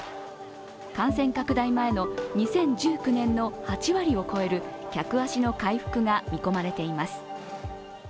感染拡大前の２０１９年の８割を超える客足の回復が見込まれています。